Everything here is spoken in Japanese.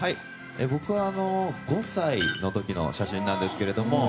僕は、５歳の時の写真なんですけど。